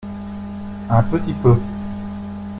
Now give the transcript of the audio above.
Un petit peu.